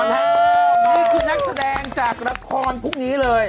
และแรกอท๊อตแล้วนี่คือนักแสดงจากลัดครพรุ่งนี้เลย